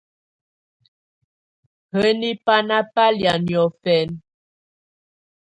Hǝ́ni banà bà lɛ̀á noɔ̀fɛnɛ?